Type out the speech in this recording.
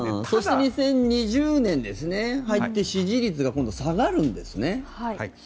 そして２０２０年に入って支持率が今度下がるんですね。